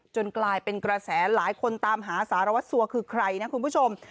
กลายเป็นกระแสหลายคนตามหาสารวัตรสัวคือใครนะคุณผู้ชม